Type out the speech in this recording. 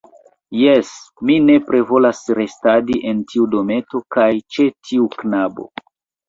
Jes, mi nepre volas restadi en tiu dometo kaj ĉe tiu knabo.